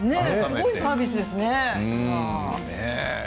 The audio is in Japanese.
すごいサービスですね。